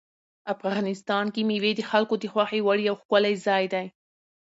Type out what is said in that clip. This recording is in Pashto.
افغانستان کې مېوې د خلکو د خوښې وړ یو ښکلی ځای دی.